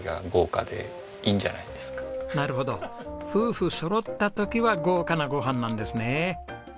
なるほど夫婦そろった時は豪華なご飯なんですね。